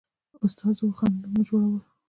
استازو خنډونه اچول.